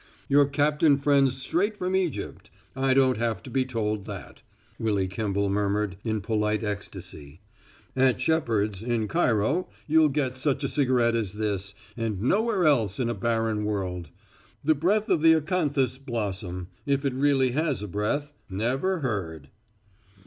"Your captain friend's straight from Egypt; I don't have to be told that," Willy Kimball murmured, in polite ecstasy. "At Shepard's, in Cairo, you'll get such a cigarette as this, and nowhere else in a barren world. The breath of the acanthus blossom if it really has a breath never heard."